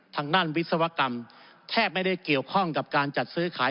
ทางด้านวิศวกรรมแทบไม่ได้เกี่ยวข้องกับการจัดซื้อขาย